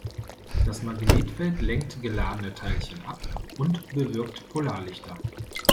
Das Magnetfeld lenkt geladene Teilchen ab und bewirkt Polarlichter.